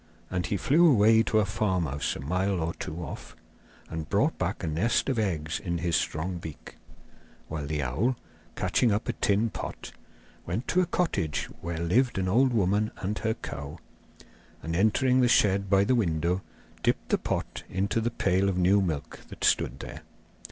And he flew away to a farmhouse a mile or two off, and brought back a nest of eggs in his strong beak; while the owl, catching up a tin pot, went to a cottage where lived an old woman and her cow, and entering the shed by the window dipped the pot into the pail of new milk that stood there.